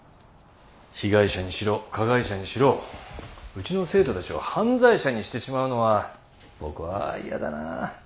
被害者にしろ加害者にしろうちの生徒たちを犯罪者にしてしまうのは僕はやだなあ。